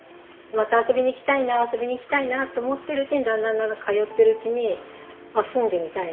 また遊びに行きたいな遊びに行きたいなと思ってるうちにだんだん通ってるうちに「あっ住んでみたいな」。